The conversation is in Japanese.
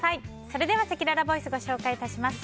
それではせきららボイスご紹介致します。